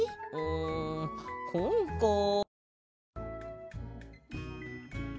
んほんかあ。